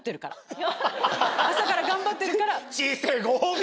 朝から頑張ってるから。